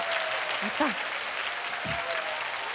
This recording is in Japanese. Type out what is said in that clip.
やった！